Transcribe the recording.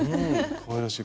かわいらしい。